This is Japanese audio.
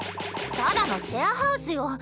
ただのシェアハウスよ。